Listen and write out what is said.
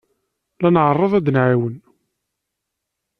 La nɛerreḍ ad nɛawen.